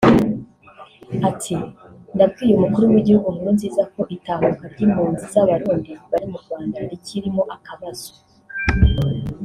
Ati “Nabwiye umukuru w’igihugu Nkurunziza ko itahuka ry’impunzi z’Abarundi bari mu Rwanda rikirimo akabazo